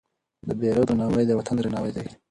د بیرغ درناوی د وطن درناوی دی.